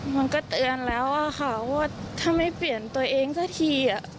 มันก็เตือนแล้วอะค่ะว่าถ้าไม่เปลี่ยนตัวเองสักที